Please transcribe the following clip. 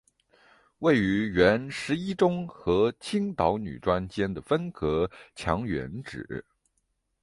位于原十一中与青岛女专间的分隔墙原址。